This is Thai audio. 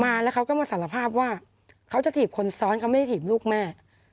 มาแล้วเขาก็มาสารภาพว่าเขาจะถีบคนซ้อนเขาไม่ได้ถีบลูกแม่